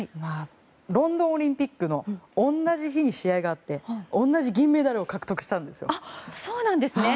ロンドンオリンピックの同じ日に試合があって同じ銀メダルを獲得したんですよ。